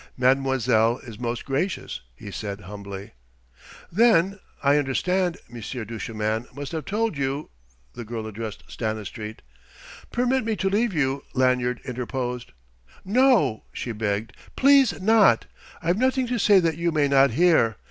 "Mademoiselle is most gracious," he said humbly. "Then I understand Monsieur Duchemin must have told you ?" The girl addressed Stanistreet. "Permit me to leave you " Lanyard interposed. "No," she begged "please not! I've nothing to say that you may not hear.